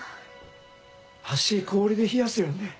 脚氷で冷やすよね？